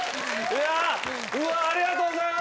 うわっありがとうございます。